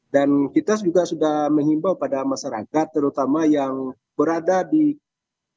dan kita juga sudah menghimbau pada masyarakat terutama yang berada di kota